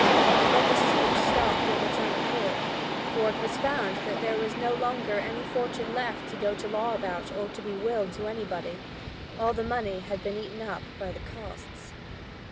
But the suit stopped of its own accord, for it was found now that there was no longer any fortune left to go to law about or to be willed to anybody. All the money had been eaten up by the costs.